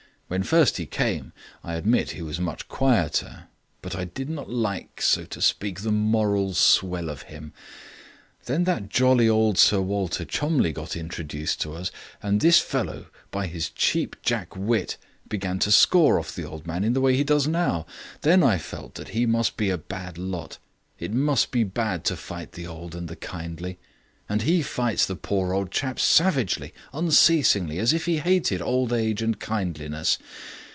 When first he came, I admit he was much quieter, but I did not like, so to speak, the moral swell of him. Then that jolly old Sir Walter Cholmondeliegh got introduced to us, and this fellow, with his cheap jack wit, began to score off the old man in the way he does now. Then I felt that he must be a bad lot; it must be bad to fight the old and the kindly. And he fights the poor old chap savagely, unceasingly, as if he hated old age and kindliness.